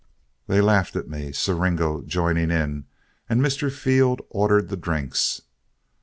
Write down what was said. They laughed at me, Siringo joining in, and Mr. Field ordered the drinks.